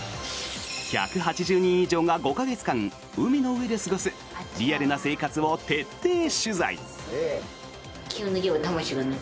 １８０人以上が５か月間、海の上で過ごすリアルな生活を徹底取材。